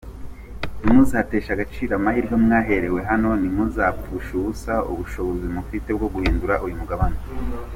Ntimuzateshe agaciro amahirwe mwaherewe hano, ntimuzapfushe ubusa ubushobozi mufite bwo guhundura uyu mugabane.